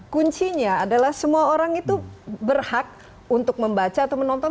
kuncinya adalah semua orang itu berhak untuk membaca atau menonton